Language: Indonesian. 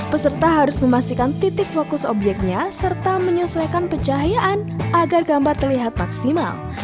peserta harus memastikan titik fokus obyeknya serta menyesuaikan pencahayaan agar gambar terlihat maksimal